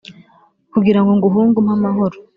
Kugira ngo nguhunge umpe amahoro